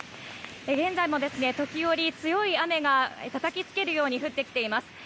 現在も時折、強い雨がたたきつけるように降ってきています。